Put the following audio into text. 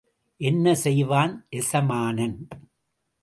என்ன செய்வான் எசமானன்?